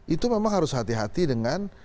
itu memang harus hati hati dengan